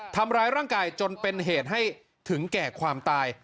ทำร้ายร่างกายจนเป็นเหตุให้ถึงแก่ความตาย